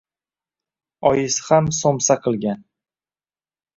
Oyisi har somsa qilgan.